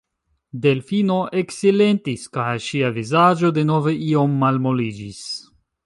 Delfino eksilentis, kaj ŝia vizaĝo denove iom malmoliĝis.